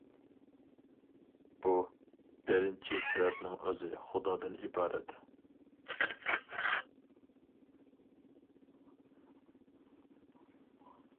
بۇ بىرىنچى سەۋەبنىڭ ئۆزى خۇدادىن ئىبارەت.